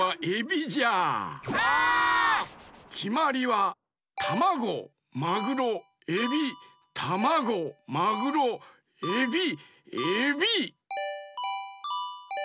きまりはタマゴマグロエビタマゴマグロエビエビ！